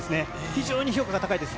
非常に評価が高いです。